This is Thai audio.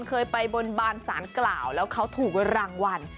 เคยไปบนบานสารกล่าวแล้วเขาถูกรางวัล